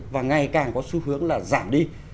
và ngày càng có xu hướng là giảm đi